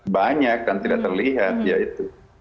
banyak kan tidak terlihat